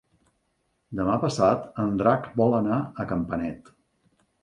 Demà passat en Drac vol anar a Campanet.